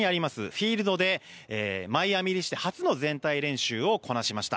フィールドでマイアミ入りして初の全体練習をこなしました。